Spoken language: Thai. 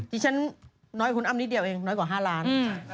ที่ฉันน้อยคุณอ้ำนิดเดียวเองน้อยกว่า๕ล้าน